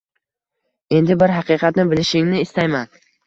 Endi bir haqiqatni bilishingni istayman.